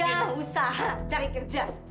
udah usaha cari kerja